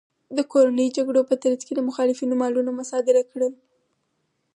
د کورنیو جګړو په ترڅ کې یې د مخالفینو مالونه مصادره کړل